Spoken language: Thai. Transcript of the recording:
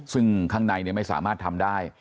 ซึ่งข้างในไม่สามารถทำได้